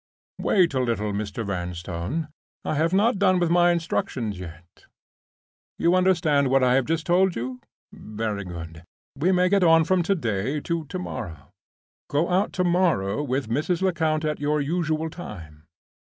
"Wait a little, Mr. Vanstone; I have not done with my instructions yet. You understand what I have just told you? Very good. We may get on from to day to to morrow. Go out to morrow with Mrs. Lecount at your usual time.